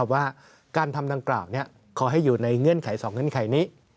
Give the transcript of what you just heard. ว่าการทำดังกล่าวขอให้อยู่ในเงื่อนไข๒เงื่อนไขนี้